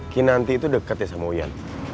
ki nanti itu deket ya sama uyan